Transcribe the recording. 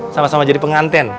sama sama jadi pengantin